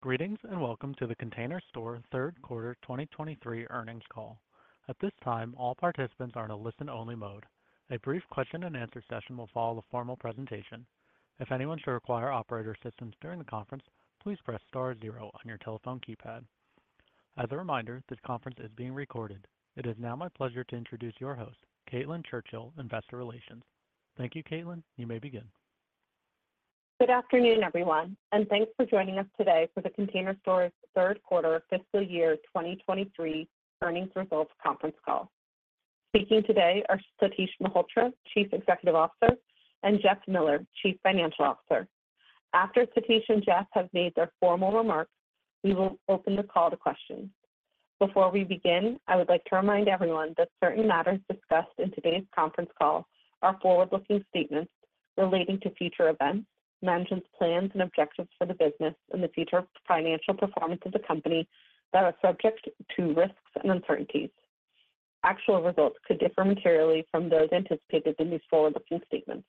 Greetings and welcome to The Container Store Q3 2023 earnings call. At this time, all participants are in a listen-only mode. A brief question-and-answer session will follow the formal presentation. If anyone should require operator assistance during the conference, please press star zero on your telephone keypad. As a reminder, this conference is being recorded. It is now my pleasure to introduce your host, Caitlin Churchill, Investor Relations. Thank you, Caitlin. You may begin. Good afternoon everyone and thanks for joining us today for The Container Store's Q3 fiscal year 2023 earnings results conference call. Speaking today are Satish Malhotra, Chief Executive Officer and Jeff Miller, Chief Financial Officer. After Satish and Jeff have made their formal remarks, we will open the call to questions. Before we begin, I would like to remind everyone that certain matters discussed in today's conference call are forward-looking statements relating to future events, management's plans and objectives for the business and the future financial performance of the Company that are subject to risks and uncertainties. Actual results could differ materially from those anticipated in these forward-looking statements.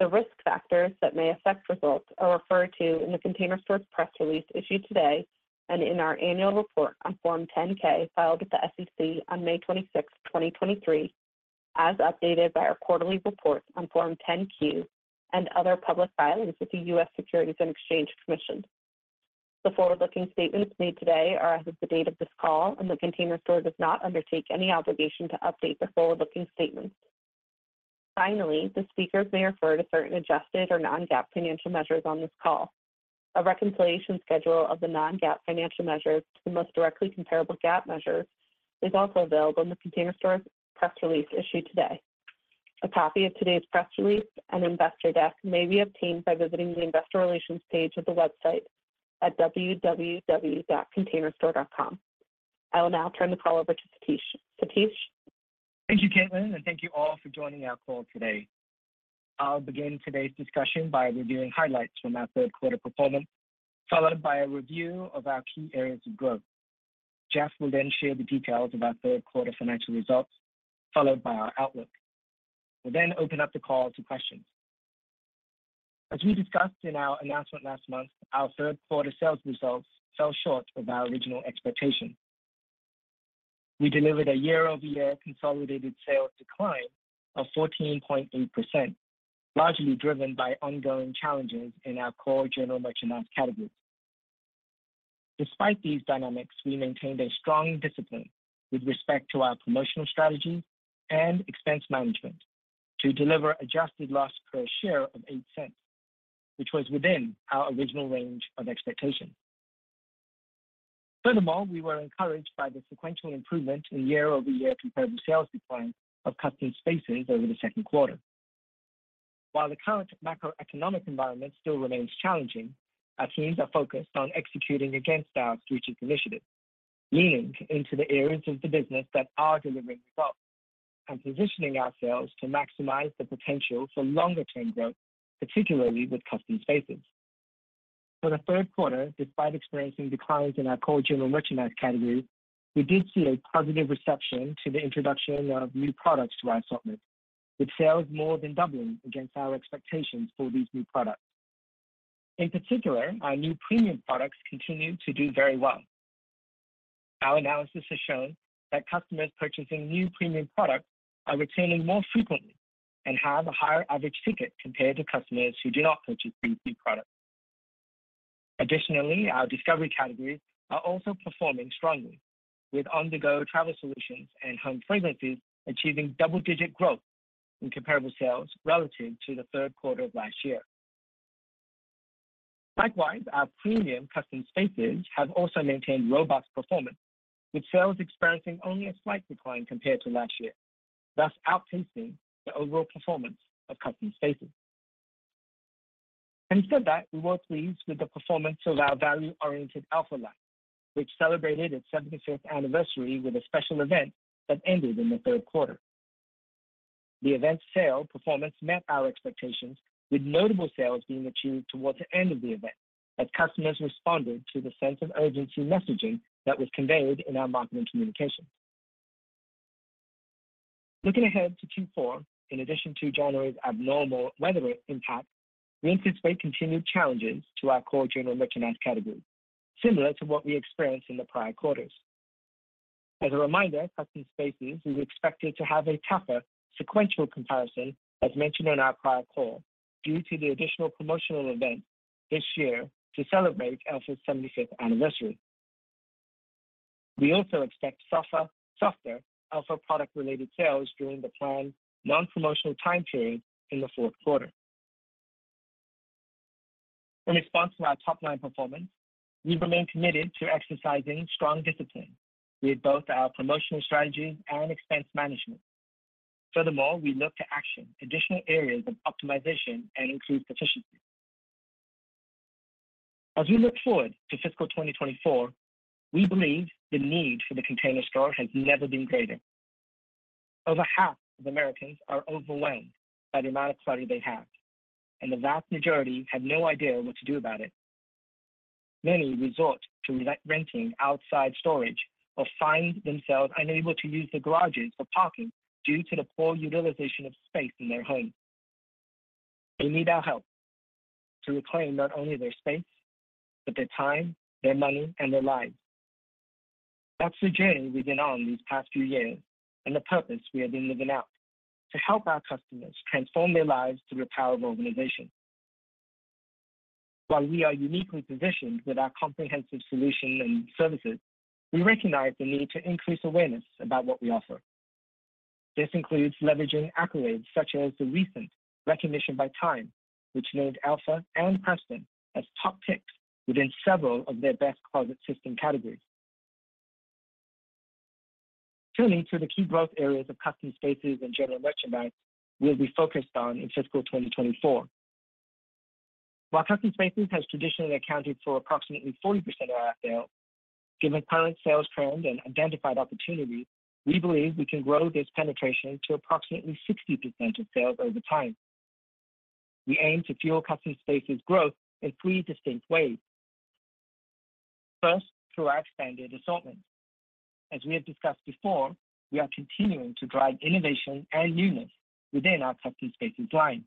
The risk factors that may affect results are referred to in The Container Store's press release issued today and in our annual report on Form 10-K, filed with the SEC on May 26th, 2023, as updated by our quarterly report on Form 10-Q and other public filings with the U.S. Securities and Exchange Commission. The forward-looking statements made today are as of the date of this call and The Container Store does not undertake any obligation to update the forward-looking statements. Finally, the speakers may refer to certain adjusted or non-GAAP financial measures on this call. A reconciliation schedule of the non-GAAP financial measures to the most directly comparable GAAP measures is also available in The Container Store's press release issued today. A copy of today's press release and investor deck may be obtained by visiting the Investor Relations page of the website at www.containerstore.com. I will now turn the call over to Satish. Satish? Thank you, Caitlin, and thank you all for joining our call today. I'll begin today's discussion by reviewing highlights from our Q3 performance, followed by a review of our key areas of growth. Jeff will then share the details of our Q3 financial results, followed by our outlook. We'll then open up the call to questions. As we discussed in our announcement last month, our Q3 sales results fell short of our original expectations. We delivered a year-over-year consolidated sales decline of 14.8%, largely driven by ongoing challenges in our core general merchandise categories. Despite these dynamics, we maintained a strong discipline with respect to our promotional strategy and expense management to deliver adjusted loss per share of $0.08 which was within our original range of expectations. Furthermore, we were encouraged by the sequential improvement in year-over-year comparable sales decline of Custom Spaces over the Q2. While the current macroeconomic environment still remains challenging, our teams are focused on executing against our strategic initiatives, leaning into the areas of the business that are delivering results and positioning ourselves to maximize the potential for longer-term growth, particularly with Custom Spaces. For the Q3, despite experiencing declines in our core general merchandise categories, we did see a positive reception to the introduction of new products to our assortment, with sales more than doubling against our expectations for these new products. In particular, our new premium products continue to do very well. Our analysis has shown that customers purchasing new premium products are returning more frequently and have a higher average ticket compared to customers who do not purchase these new products. Additionally, our Discovery categories are also performing strongly, with On-The-Go Travel Solutions and Home Fragrances achieving double-digit growth in comparable sales relative to the Q3 of last year. Likewise, our premium Custom Spaces have also maintained robust performance, with sales experiencing only a slight decline compared to last year, thus outpacing the overall performance of Custom Spaces. Instead that, we were pleased with the performance of our value-oriented Elfa line, which celebrated its 75th anniversary with a special event that ended in the Q3. The event's sale performance met our expectations, with notable sales being achieved towards the end of the event, as customers responded to the sense of urgency messaging that was conveyed in our marketing communications. Looking ahead to Q4, in addition to January's abnormal weather impact, we anticipate continued challenges to our core general merchandise categories, similar to what we experienced in the prior quarters. As a reminder, Custom Spaces is expected to have a tougher sequential comparison, as mentioned on our prior call, due to the additional promotional event this year to celebrate Elfa's 75th anniversary. We also expect softer, softer Elfa product-related sales during the planned non-promotional time period in the Q4. In response to our top-line performance, we remain committed to exercising strong discipline with both our promotional strategy and expense management. Furthermore, we look to action additional areas of optimization and improve efficiency. As we look forward to fiscal 2024, we believe the need for The Container Store has never been greater. Over half of Americans are overwhelmed by the amount of clutter they have and the vast majority have no idea what to do about it. Many resort to re-renting outside storage or find themselves unable to use their garages for parking due to the poor utilization of space in their homes.... They need our help to reclaim not only their space, their time, their money and their lives. That's the journey we've been on these past few years and the purpose we have been living out: to help our customers transform their lives through the power of organization. While we are uniquely positioned with our comprehensive solution and services, we recognize the need to increase awareness about what we offer. This includes leveraging accolades such as the recent recognition by Time, which named Elfa and Preston as top picks within several of their best closet system categories. Turning to the key growth areas of Custom Spaces and general merchandise will be focused on in fiscal 2024. While Custom Spaces has traditionally accounted for approximately 40% of our sales, given current sales trends and identified opportunities, we believe we can grow this penetration to approximately 60% of sales over time. We aim to fuel Custom Spaces growth in 3 distinct ways. First, through our expanded assortment. As we have discussed before, we are continuing to drive innovation and newness within our Custom Spaces line.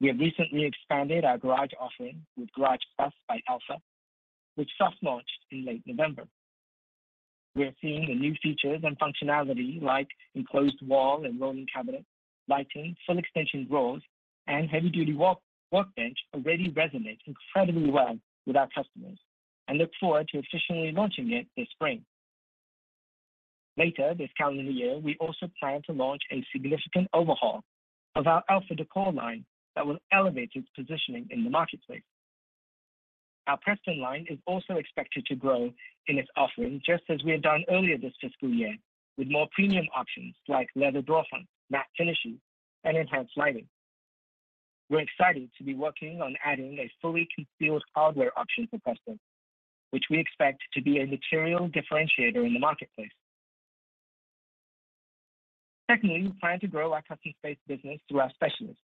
We have recently expanded our garage offering with Garage Plus by Elfa, which soft launched in late November. We are seeing the new features and functionality like enclosed wall and rolling cabinet, lighting, full extension drawers and heavy-duty wall workbench already resonates incredibly well with our customers and look forward to officially launching it this spring. Later this calendar year, we also plan to launch a significant overhaul of our Elfa Decor line that will elevate its positioning in the marketplace. Our Preston line is also expected to grow in its offering, just as we have done earlier this fiscal year, with more premium options like leather drawer front, matte finishes and enhanced lighting. We're excited to be working on adding a fully concealed hardware option for customers, which we expect to be a material differentiator in the marketplace. Secondly, we plan to grow our Custom Space business through our specialists,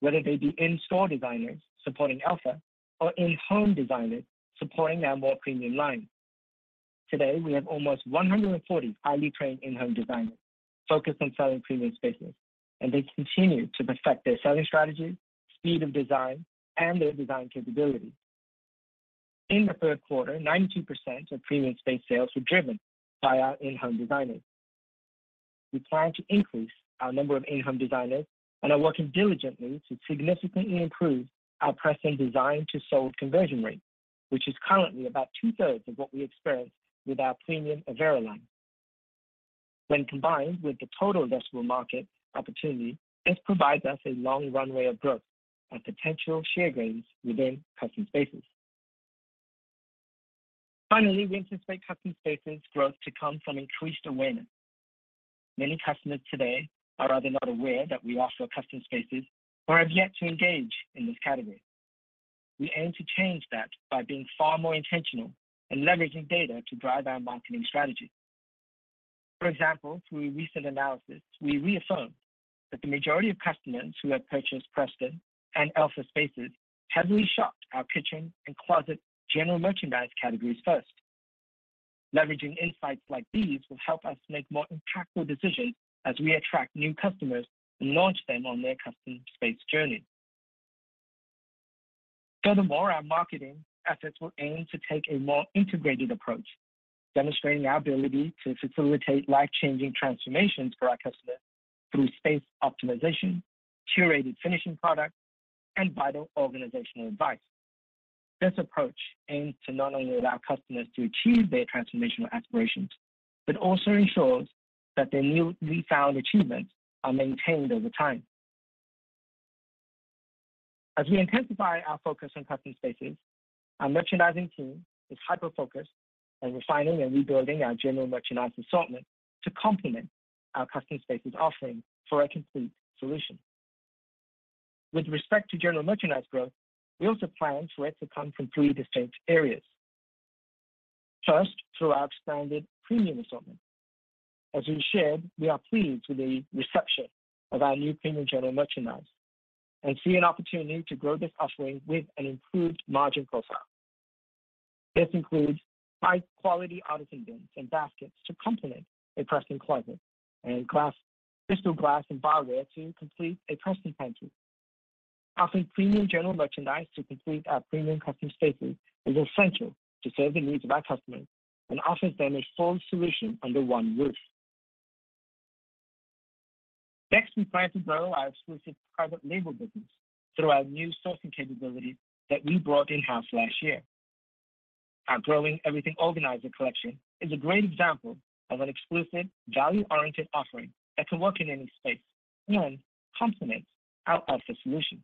whether they be in-store designers supporting Elfa or in-home designers supporting our more premium line. Today, we have almost 140 highly trained in-home designers focused on selling premium spaces and they continue to perfect their selling strategy, speed of design and their design capability. In the Q3, 92% of premium space sales were driven by our in-home designers. We plan to increase our number of in-home designers and are working diligently to significantly improve our Preston design-to-sold conversion rate, which is currently about two-thirds of what we experienced with our premium Avera line. When combined with the total addressable market opportunity, this provides us a long runway of growth and potential share gains within Custom Spaces. Finally, we anticipate Custom Spaces growth to come from increased awareness. Many customers today are either not aware that we offer Custom Spaces or have yet to engage in this category. We aim to change that by being far more intentional and leveraging data to drive our marketing strategy. For example, through a recent analysis, we reaffirmed that the majority of customers who have purchased Preston and Elfa spaces heavily shopped our kitchen and closet general merchandise categories first. Leveraging insights like these will help us make more impactful decisions as we attract new customers and launch them on their Custom Spaces journey. Furthermore, our marketing efforts will aim to take a more integrated approach, demonstrating our ability to facilitate life-changing transformations for our customers through space optimization, curated finishing products and vital organizational advice. This approach aims to not only allow customers to achieve their transformational aspirations also ensures that their new newfound achievements are maintained over time. As we intensify our focus on Custom Spaces, our merchandising team is hyper-focused on refining and rebuilding our general merchandise assortment to complement our Custom Spaces offering for a complete solution. With respect to general merchandise growth, we also plan for it to come from three distinct areas. First, through our expanded premium assortment. As we shared, we are pleased with the reception of our new premium general merchandise and see an opportunity to grow this offering with an improved margin profile. This includes high-quality artisan bins and baskets to complement a Preston closet and glass, crystal glass and barware to complete a Preston pantry. Offering premium general merchandise to complete our premium Custom Spaces is essential to serve the needs of our customers and offers them a full solution under one roof. Next, we plan to grow our exclusive private label business through our new sourcing capabilities that we brought in-house last year. Our growing Everything Organizer collection is a great example of an exclusive, value-oriented offering that can work in any space and complements our Elfa solution.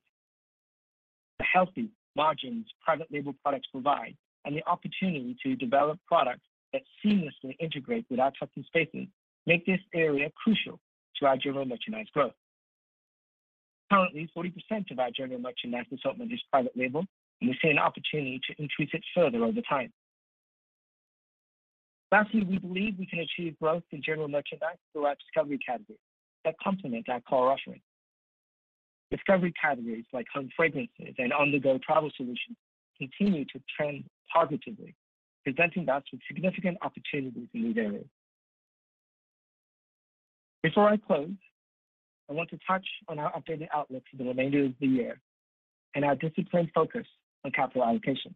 The healthy margins private label products provide and the opportunity to develop products that seamlessly integrate with our Custom Spaces, make this area crucial to our general merchandise growth. Currently, 40% of our general merchandise assortment is private label and we see an opportunity to increase it further over time. Lastly, we believe we can achieve growth in general merchandise through our discovery categories that complement our core offering. Discovery categories like home fragrances and on-the-go travel solutions continue to trend positively, presenting us with significant opportunities in these areas... Before I close, I want to touch on our updated outlook for the remainder of the year and our disciplined focus on capital allocation.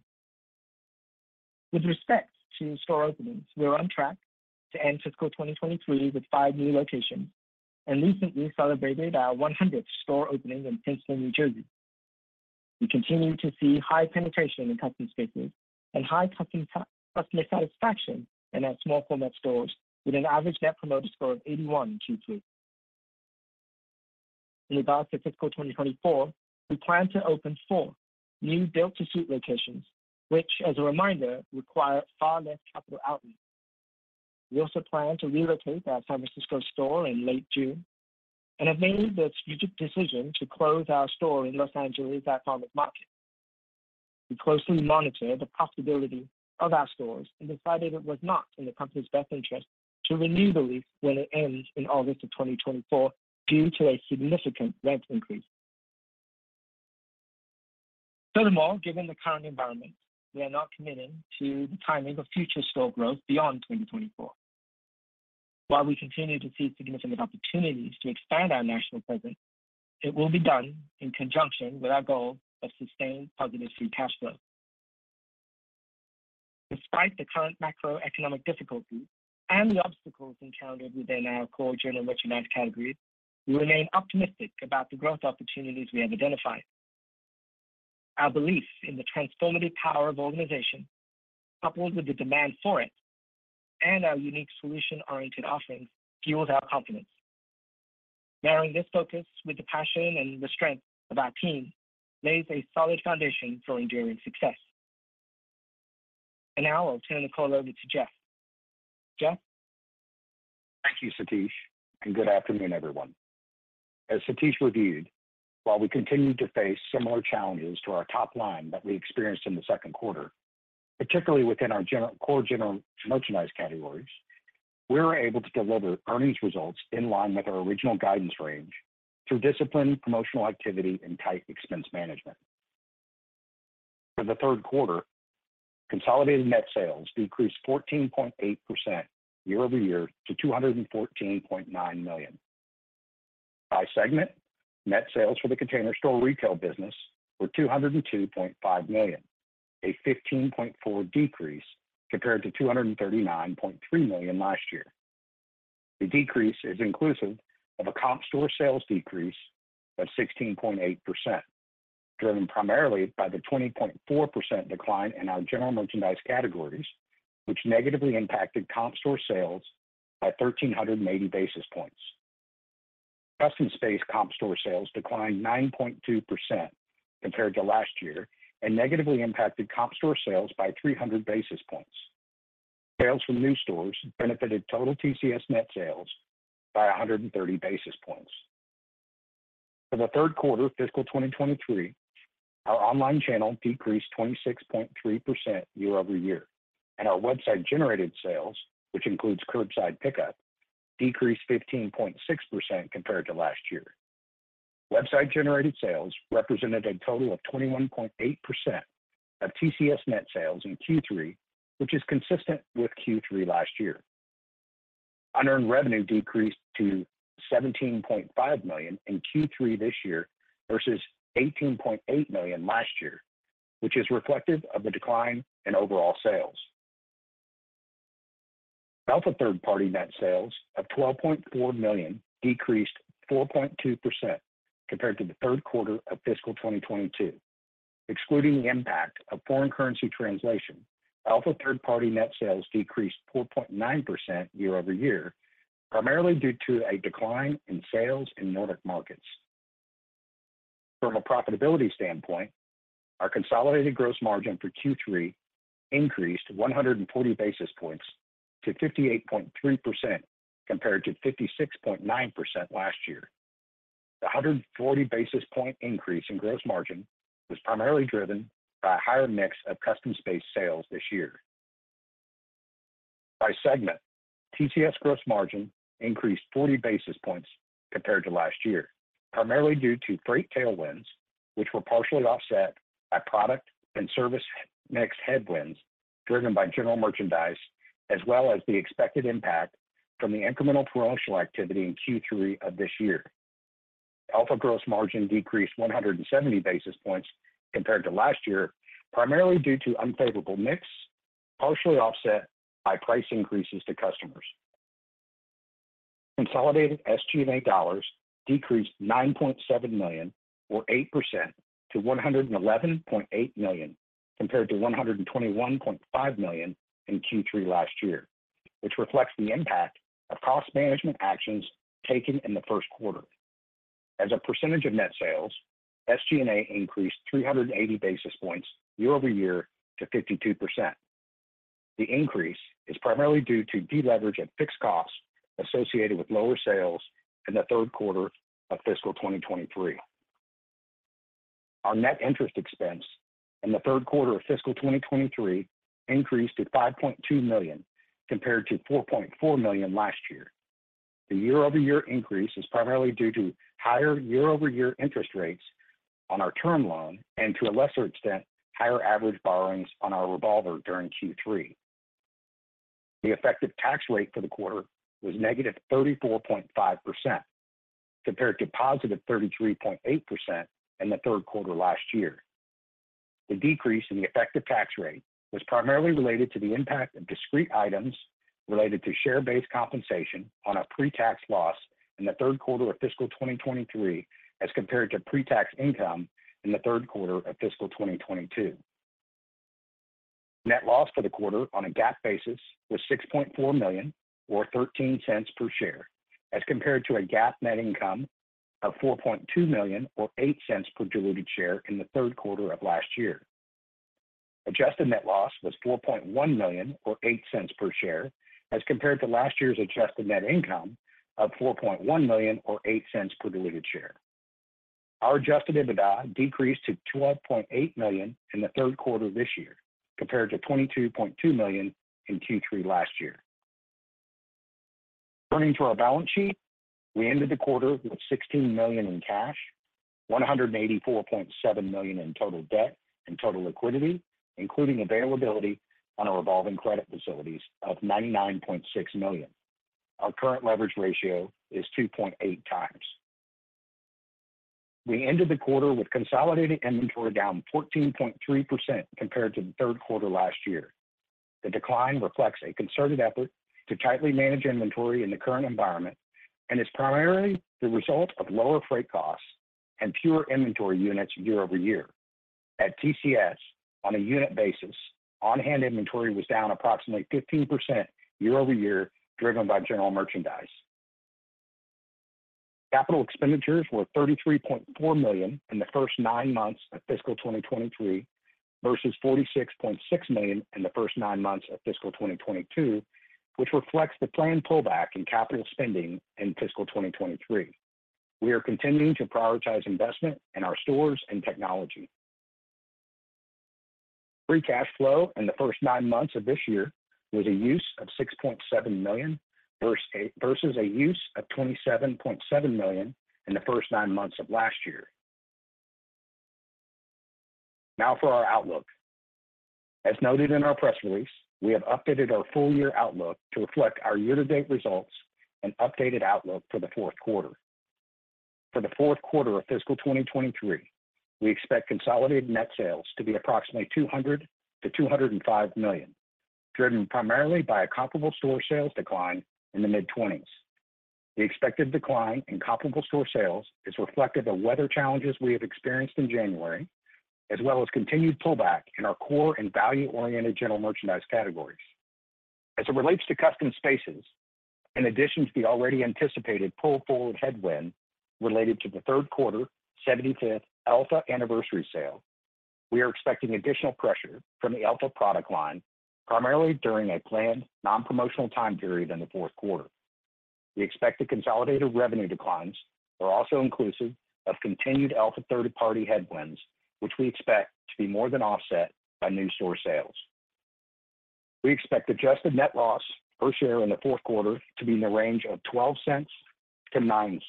With respect to store openings, we are on track to end fiscal 2023 with 5 new locations and recently celebrated our 100th store opening in Pennsville, New Jersey. We continue to see high penetration in Custom Spaces and high customer satisfaction in our small format stores, with an average Net Promoter Score of 81 in Q2. In regards to fiscal 2024, we plan to open four new built-to-suit locations, which, as a reminder, require far less capital outlay. We also plan to relocate our San Francisco store in late June and have made the strategic decision to close our store in Los Angeles at The Marketplace. We closely monitored the profitability of our stores and decided it was not in the company's best interest to renew the lease when it ends in August of 2024, due to a significant rent increase. Furthermore, given the current environment, we are not committing to the timing of future store growth beyond 2024. While we continue to see significant opportunities to expand our national presence, it will be done in conjunction with our goal of sustained positive free cash flow. Despite the current macroeconomic difficulties and the obstacles encountered within our core general merchandise categories, we remain optimistic about the growth opportunities we have identified. Our belief in the transformative power of organization, coupled with the demand for it and our unique solution-oriented offerings, fuels our confidence. Marrying this focus with the passion and the strength of our team lays a solid foundation for enduring success. Now I'll turn the call over to Jeff. Jeff? Thank you, Satish and good afternoon, everyone. As Satish reviewed, while we continued to face similar challenges to our top line that we experienced in the Q2, particularly within our core general merchandise categories, we were able to deliver earnings results in line with our original guidance range through disciplined promotional activity and tight expense management. For the Q3, consolidated net sales decreased 14.8% year-over-year to $214.9 million. By segment, net sales for The Container Store retail business were $202.5 million, a 15.4% decrease compared to $239.3 million last year. The decrease is inclusive of a comp store sales decrease of 16.8%, driven primarily by the 20.4% decline in our general merchandise categories, which negatively impacted comp store sales by 1,380 basis points. Custom Spaces comp store sales declined 9.2% compared to last year and negatively impacted comp store sales by 300 basis points. Sales from new stores benefited total TCS net sales by 130 basis points. For the Q3 of fiscal 2023, our online channel decreased 26.3% year-over-year and our website-generated sales, which includes curbside pickup, decreased 15.6% compared to last year. Website-generated sales represented a total of 21.8% of TCS net sales in Q3, which is consistent with Q3 last year. Unearned revenue decreased to $17.5 million in Q3 this year versus $18.8 million last year, which is reflective of the decline in overall sales. Elfa third-party net sales of $12.4 million decreased 4.2% compared to the Q3 of fiscal 2022. Excluding the impact of foreign currency translation, Elfa third-party net sales decreased 4.9% year-over-year, primarily due to a decline in sales in Nordic markets. From a profitability standpoint, our consolidated gross margin for Q3 increased 140 basis points to 58.3%, compared to 56.9% last year. The 140 basis point increase in gross margin was primarily driven by a higher mix of Custom Spaces sales this year. By segment, TCS gross margin increased 40 basis points compared to last year, primarily due to freight tailwinds, which were partially offset by product and service mix headwinds, driven by general merchandise, as well as the expected impact from the incremental promotional activity in Q3 of this year. Elfa gross margin decreased 170 basis points compared to last year, primarily due to unfavorable mix, partially offset by price increases to customers. Consolidated SG&A dollars decreased $9.7 million, or 8% to $111.8 million, compared to $121.5 million in Q3 last year, which reflects the impact of cost management actions taken in the Q1. As a percentage of net sales, SG&A increased 380 basis points year-over-year to 52%. The increase is primarily due to deleverage and fixed costs associated with lower sales in the Q3 of fiscal 2023. Our net interest expense in the Q3 of fiscal 2023 increased to $5.2 million, compared to $4.4 million last year. The year-over-year increase is primarily due to higher year-over-year interest rates on our term loan and to a lesser extent, higher average borrowings on our revolver during Q3. The effective tax rate for the quarter was -34.5%, compared to +33.8% in the Q3 last year. The decrease in the effective tax rate was primarily related to the impact of discrete items related to share-based compensation on a pre-tax loss in the Q3 of fiscal 2023, as compared to pre-tax income in the Q3 of fiscal 2022. Net loss for the quarter on a GAAP basis was $6.4 million, or $0.13 per share, as compared to a GAAP net income of $4.2 million, or $0.08 per diluted share in the Q3 of last year. Adjusted net loss was $4.1 million, or $0.08 per share, as compared to last year's adjusted net income of $4.1 million, or $0.08 per diluted share. Our adjusted EBITDA decreased to $12.8 million in the Q3 of this year, compared to $22.2 million in Q3 last year. Turning to our balance sheet, we ended the quarter with $16 million in cash, $184.7 million in total debt and total liquidity, including availability on our revolving credit facilities of $99.6 million. Our current leverage ratio is 2.8 times. We ended the quarter with consolidated inventory down 14.3% compared to the Q3 last year. The decline reflects a concerted effort to tightly manage inventory in the current environment and is primarily the result of lower freight costs and fewer inventory units year-over-year. At TCS, on a unit basis, on-hand inventory was down approximately 15% year-over-year, driven by general merchandise. Capital expenditures were $33.4 million in the first nine months of fiscal 2023, versus $46.6 million in the first nine months of fiscal 2022, which reflects the planned pullback in capital spending in fiscal 2023. We are continuing to prioritize investment in our stores and technology. Free cash flow in the first nine months of this year was a use of $6.7 million, versus a use of $27.7 million in the first nine months of last year. Now for our outlook. As noted in our press release, we have updated our full year outlook to reflect our year-to-date results and updated outlook for the Q4. For the Q4 of fiscal 2023, we expect consolidated net sales to be approximately $200 million-$205 million, driven primarily by a comparable store sales decline in the mid-20s. The expected decline in comparable store sales is reflective of weather challenges we have experienced in January, as well as continued pullback in our core and value-oriented general merchandise categories. As it relates to Custom Spaces, in addition to the already anticipated pull-forward headwind related to the Q3 75th Elfa anniversary sale, we are expecting additional pressure from the Elfa product line, primarily during a planned non-promotional time period in the Q4. We expect the consolidated revenue declines are also inclusive of continued Elfa third-party headwinds, which we expect to be more than offset by new store sales. We expect adjusted net loss per share in the Q4 to be in the range of -$0.12 to -$0.09.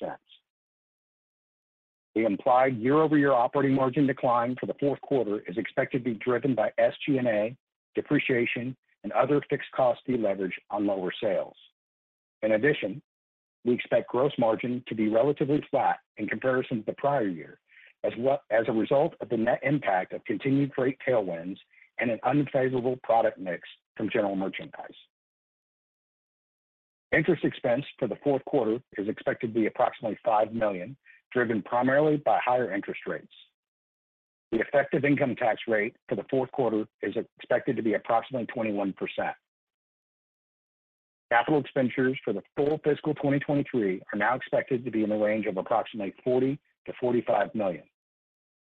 The implied year-over-year operating margin decline for the Q4 is expected to be driven by SG&A, depreciation and other fixed costs deleveraged on lower sales. In addition, we expect gross margin to be relatively flat in comparison to the prior year, as well as a result of the net impact of continued freight tailwinds and an unfavorable product mix from general merchandise. Interest expense for the Q4 is expected to be approximately $5 million, driven primarily by higher interest rates. The effective income tax rate for the Q4 is expected to be approximately 21%. Capital expenditures for the full fiscal 2023 are now expected to be in the range of approximately $40 million-$45 million.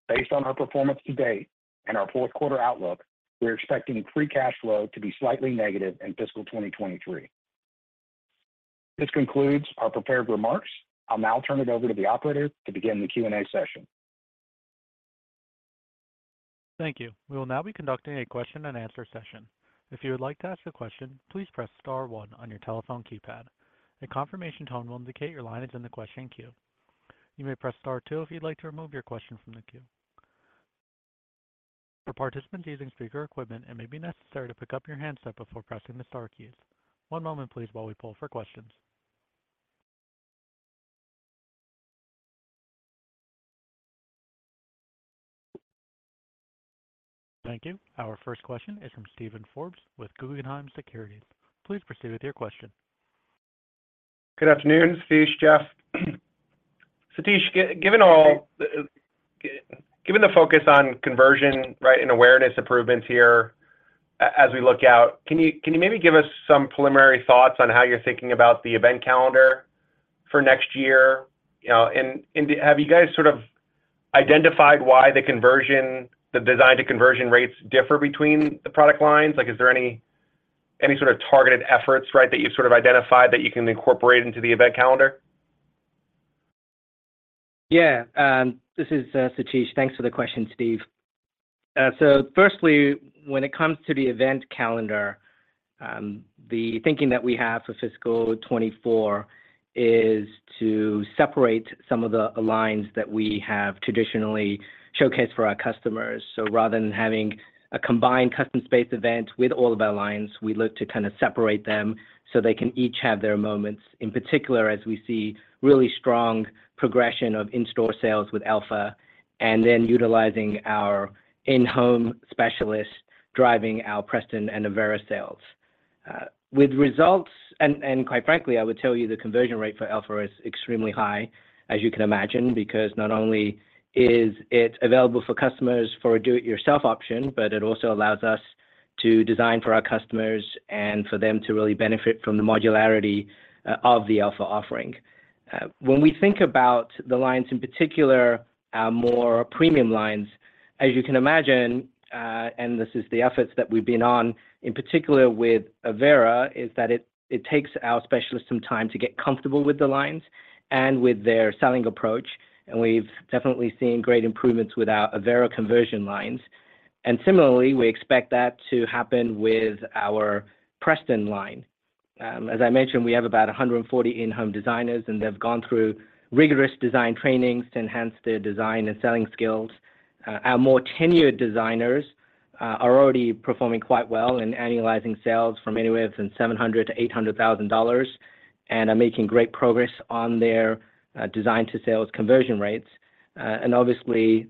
Based on our performance to date and our Q4 outlook, we are expecting free cash flow to be slightly negative in fiscal 2023. This concludes our prepared remarks. I'll now turn it over to the operator to begin the Q&A session. Thank you. We will now be conducting a question-and-answer session. If you would like to ask a question, please press star one on your telephone keypad. A confirmation tone will indicate your line is in the question queue. You may press star two if you'd like to remove your question from the queue. For participants using speaker equipment, it may be necessary to pick up your handset before pressing the star keys. One moment please while we poll for questions. Thank you. Our first question is from Steven Forbes with Guggenheim Securities. Please proceed with your question. Good afternoon, Satish, Jeff. Satish, given the focus on conversion, right and awareness improvements here, as we look out, can you maybe give us some preliminary thoughts on how you're thinking about the event calendar for next year? You know and have you guys identified why the conversion, the design-to-conversion rates differ between the product lines? Like, is there any targeted efforts, right, that you've identified that you can incorporate into the event calendar? This is Satish. Thanks for the question, Steve. Firstly, when it comes to the event calendar, the thinking that we have for fiscal 2024 is to separate some of the lines that we have traditionally showcased for our customers. Rather than having a combined Custom Spaces event with all of our lines, we look to separate them so they can each have their moments. In particular, as we see really strong progression of in-store sales with Elfa and then utilizing our in-home specialists driving our Preston and Avera sales. With results and quite frankly, I would tell you the conversion rate for Elfa is extremely high as you can imagine because not only is it available for customers for a do-it-yourself option it also allows us to design for our customers and for them to really benefit from the modularity of the Elfa offering. When we think about the lines, in particular, our more premium lines, as you can imagine and this is the efforts that we've been on, in particular with Avera, is that it takes our specialists some time to get comfortable with the lines and with their selling approach and we've definitely seen great improvements with our Avera conversion lines and similarly, we expect that to happen with our Preston line. As I mentioned, we have about 140 in-home designers and they've gone through rigorous design trainings to enhance their design and selling skills. Our more tenured designers are already performing quite well in annualizing sales from anywhere between $700,000-$800,000 and are making great progress on their design to sales conversion rates and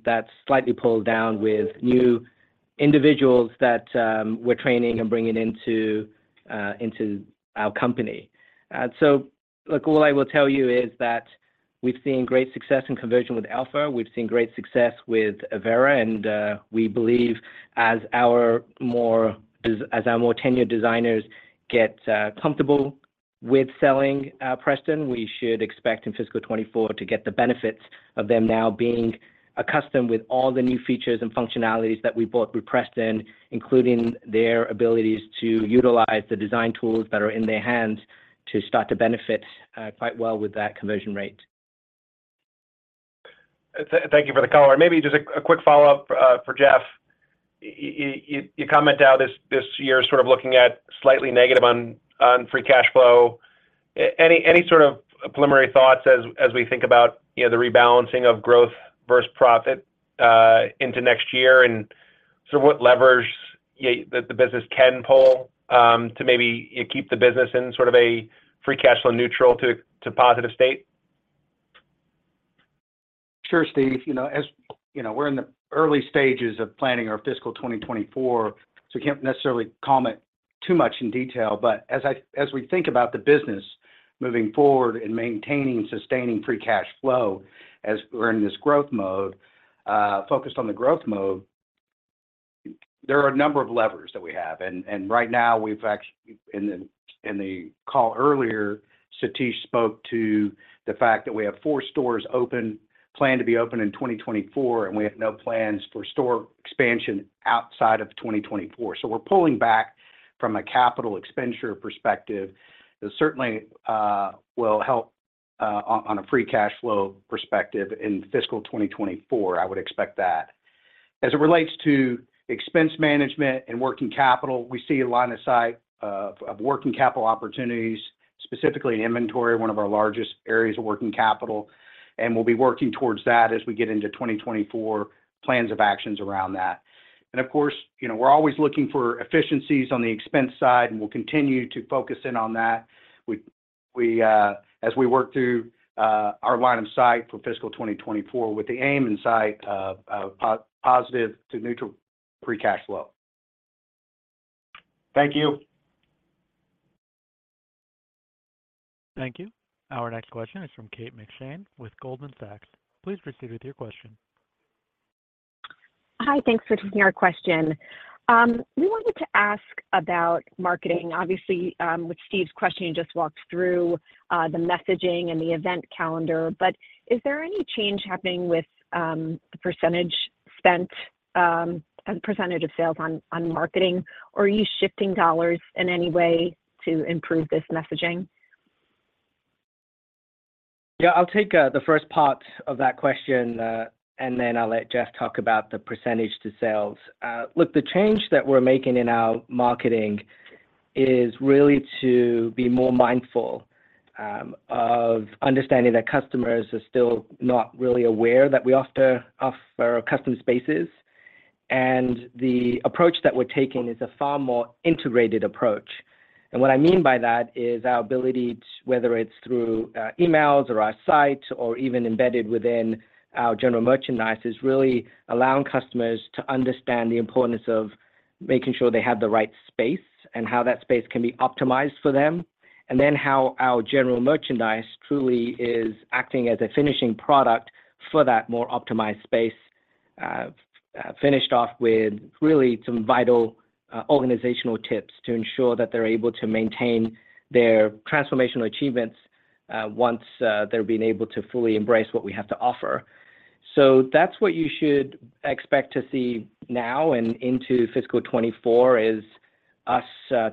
that's slightly pulled down with new individuals that we're training and bringing into our company. Look, all I will tell you is that we've seen great success in conversion with Elfa. We've seen great success with Avera and we believe as our more tenured designers get comfortable with selling Preston, we should expect in fiscal 2024 to get the benefits of them now being accustomed with all the new features and functionalities that we bought with Preston, including their abilities to utilize the design tools that are in their hands to start to benefit quite well with that conversion rate. Thank you for the color. Maybe just a quick follow-up for Jeff. You commented on this year looking at slightly negative on free cash flow. Any preliminary thoughts as we think about the rebalancing of growth versus profit into next year and what levers that the business can pull to maybe keep the business in a free cash flow neutral to positive state? Sure, Steve. as we're in the early stages of planning our fiscal 2024, We can't necessarily comment too much in detail. As we think about the business moving forward and maintaining and sustaining free cash flow, as we're in this growth mode, focused on the growth mode, there are a number of levers that we have and right now, we've actually. In the call earlier, Satish spoke to the fact that we have 4 stores open, planned to be open in 2024 and we have no plans for store expansion outside of 2024. We're pulling back from a capital expenditure perspective. This certainly will help on a free cash flow perspective in fiscal 2024. I would expect that. As it relates to expense management and working capital, we see a line of sight of working capital opportunities, specifically in inventory, one of our largest areas of working capital and we'll be working towards that as we get into 2024, plans of actions around that and of course we're always looking for efficiencies on the expense side and we'll continue to focus in on that. We as we work through our line of sight for fiscal 2024 with the aim in sight of positive to neutral free cash flow. Thank you. Thank you. Our next question is from Kate McShane with Goldman Sachs. Please proceed with your question. Hi, thanks for taking our question. We wanted to ask about marketing with Steve's question, you just walked through the messaging and the event calendar. Is there any change happening with the percentage spent as a percentage of sales on marketing? Or are you shifting dollars in any way to improve this messaging? I'll take the first part of that question and then I'll let Jeff talk about the percentage to sales. Look, the change that we're making in our marketing is really to be more mindful of understanding that customers are still not really aware that we offer, offer custom spaces and the approach that we're taking is a far more integrated approach. By that is our ability to, whether it's through, emails or our site or even embedded within our general merchandise, is really allowing customers to understand the importance of making sure they have the right space and how that space can be optimized for them and then how our general merchandise truly is acting as a finishing product for that more optimized space, finished off with really some vital, organizational tips to ensure that they're able to maintain their transformational achievements, once, they've been able to fully embrace what we have to offer. That's what you should expect to see now and into fiscal 2024 is- ...us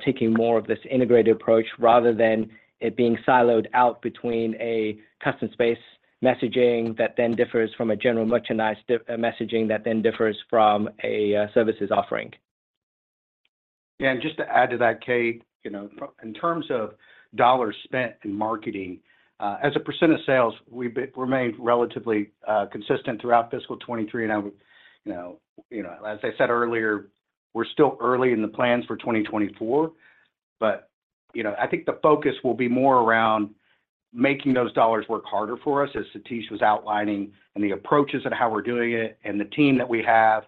taking more of this integrated approach rather than it being siloed out between a custom space messaging that then differs from a general merchandise messaging, that then differs from a services offering. Just to add to that, kate in terms of dollars spent in marketing, as a % of sales, we've remained relatively consistent throughout fiscal 2023 and you know as I said earlier, we're still early in the plans for 2024, the focus will be more around making those dollars work harder for us, as Satish was outlining and the approaches and how we're doing it and the team that we have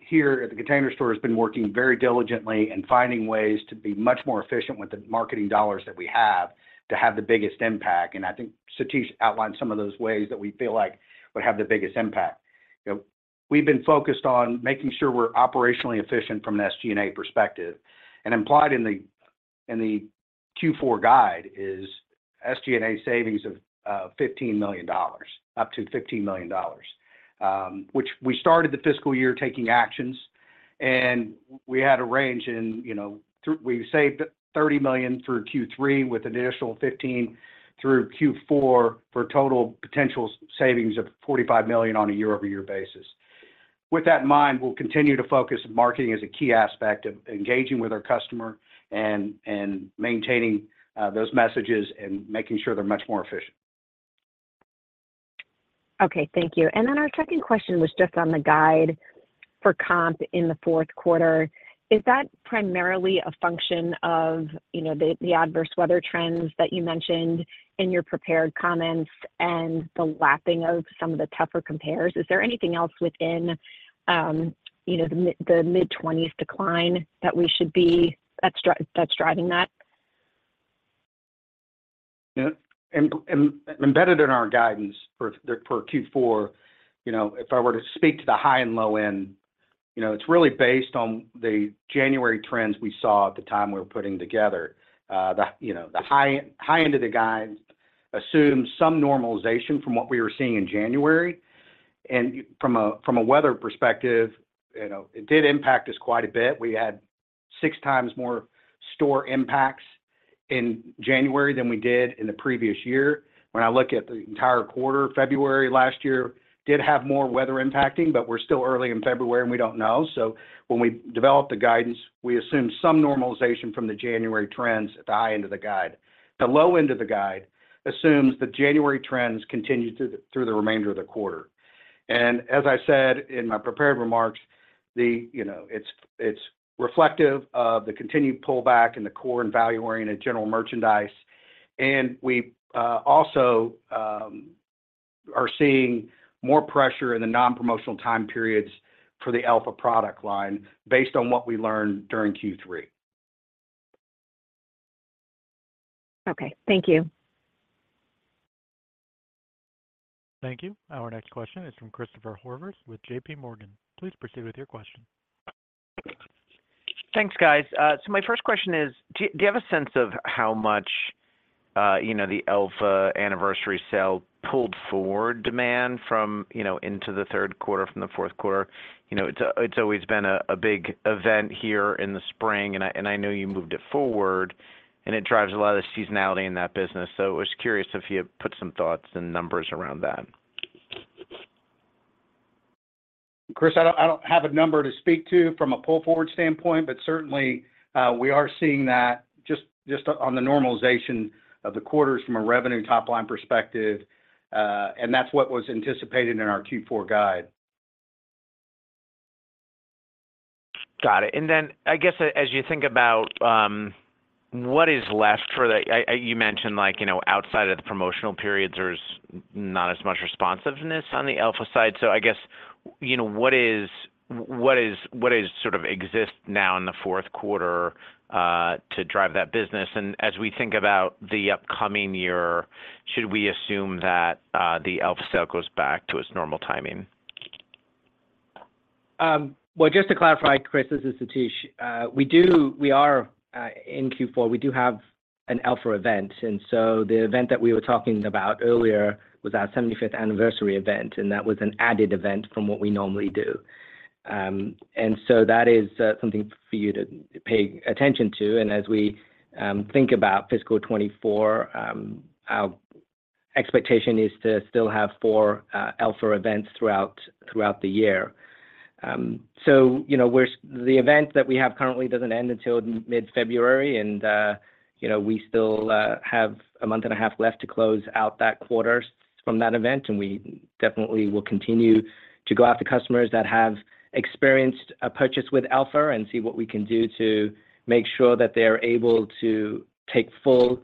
here at The Container Store has been working very diligently in finding ways to be much more efficient with the marketing dollars that we have, to have the biggest impact and Satish outlined some of those ways that we feel like would have the biggest impact. We've been focused on making sure we're operationally efficient from an SG&A perspective and implied in the Q4 guide is SG&A savings of $15 million, up to $15 million. Which we started the fiscal year taking actions and we had a range in... we saved $30 million through Q3, with an additional $15 million through Q4, for a total potential savings of $45 million on a year-over-year basis. With that in mind, we'll continue to focus marketing as a key aspect of engaging with our customer and maintaining those messages and making sure they're much more efficient. Thank you and then our second question was just on the guide for comp in the Q4. Is that primarily a function of the adverse weather trends that you mentioned in your prepared comments and the lapping of some of the tougher compares? Is there anything else within the mid-20s decline that's driving that? Embedded in our guidance for the, for q4 if I were to speak to the high and low end it's really based on the January trends we saw at the time we were putting together. the the high end of the guide assumes some normalization from what we were seeing in january and from a, from a weather perspective it did impact us quite a bit. We had six times more store impacts in January than we did in the previous year. When I look at the entire quarter, February last year did have more weather impacting, We're still early in february and we don't know. When we developed the guidance, we assumed some normalization from the January trends at the high end of the guide. The low end of the guide assumes the January trends continued through the remainder of the quarter and as I said in my prepared remarks it's reflective of the continued pullback in the core and value-oriented general merchandise and we also are seeing more pressure in the non-promotional time periods for the Elfa product line, based on what we learned during Q3. Thank you. Thank you. Our next question is from Christopher Horvers with JPMorgan. Please proceed with your question. Thanks, guys. My first question is: Do you have a sense of how much the Elfa anniversary sale pulled forward demand from into the Q3 from the Q4? it's always been a big event here in the spring and I know you moved it forward and it drives a lot of the seasonality in that business. I was curious if you had put some thoughts and numbers around that. Chris, I don't have a number to speak to from a pull forward standpoint. Certainly, we are seeing that just on the normalization of the quarters from a revenue top-line perspective and that's what was anticipated in our Q4 guide. Got it and then as you think about what is left for the year. You mentioned, like outside of the promotional periods, there's not as much responsiveness on the Elfa side. What exists now in the Q4 to drive that business? And as we think about the upcoming year, should we assume that the Elfa sale goes back to its normal timing? Just to clarify, Chris, this is Satish. We are in Q4, we do have an Elfa event and the event that we were talking about earlier was our 75th anniversary event and that was an added event from what we normally do and that is something for you to pay attention to and as we think about fiscal 2024, our expectation is to still have 4 Elfa events throughout the year. The event that we have currently doesn't end until mid-february and we still have a month and a half left to close out that quarter from that event. We definitely will continue to go after customers that have experienced a purchase with Elfa and see what we can do to make sure that they're able to take full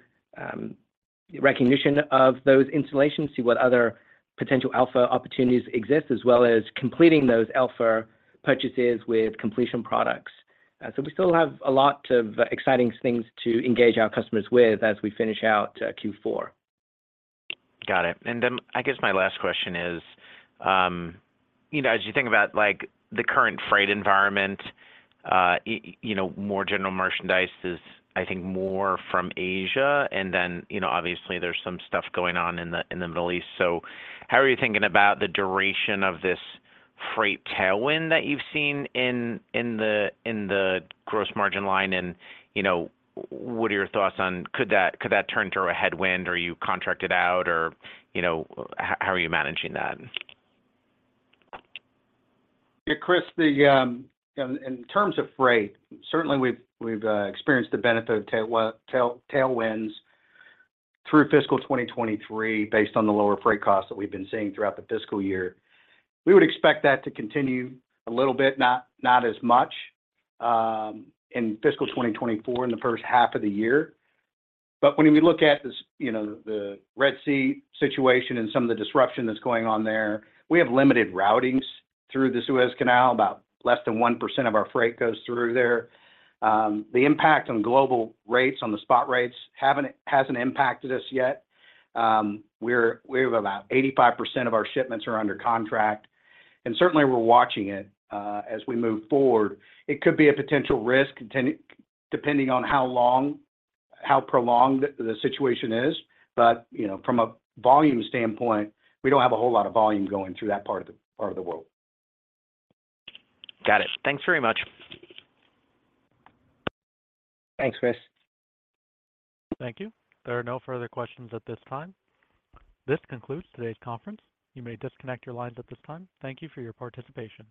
recognition of those installations, see what other potential Elfa opportunities exist, as well as completing those Elfa purchases with completion products. We still have a lot of exciting things to engage our customers with as we finish out Q4. Got it and then my last question is as you think about, like, the current freight environment more general merchandise is more from asia and then there's some stuff going on in the, in the Middle East. How are you thinking about the duration of this freight tailwind that you've seen in, in the, in the gross margin line? and what are your thoughts on... Could that, could that turn into a headwind, or you contract it out, or how are you managing that? Chris, in terms of freight, certainly, we've experienced the benefit of tailwinds through fiscal 2023, based on the lower freight costs that we've been seeing throughout the fiscal year. We would expect that to continue a little bit, not as much, in fiscal 2024, in the first half of the year. When we look at this the Red Sea situation and some of the disruption that's going on there, we have limited routings through the Suez Canal. About less than 1% of our freight goes through there. The impact on global rates, on the spot rates, hasn't impacted us yet. We have about 85% of our shipments are under contract and certainly, we're watching it as we move forward. It could be a potential risk depending on how long, how prolonged the situation is from a volume standpoint, we don't have a whole lot of volume going through that part of the, part of the world. Got it. Thanks very much. Thanks, Chris. Thank you. There are no further questions at this time. This concludes today's conference. You may disconnect your lines at this time. Thank you for your participation.